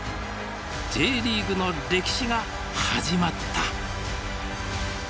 Ｊリーグの歴史が始まった。